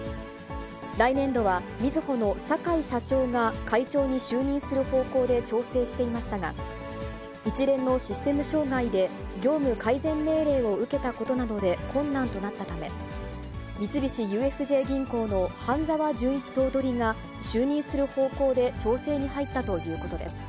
来年度は、みずほの坂井社長が会長に就任する方向で調整していましたが、一連のシステム障害で業務改善命令を受けたことなどで困難となったため、三菱ＵＦＪ銀行の半沢淳一頭取が就任する方向で調整に入ったということです。